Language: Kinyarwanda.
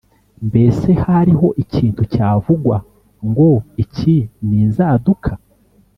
Mbese hariho ikintu cyavugwa ngo iki ninzaduka